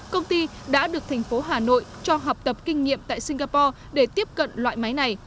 công ty đã được tp hcm cho học tập kinh nghiệm tại singapore để tiếp cận loại máy này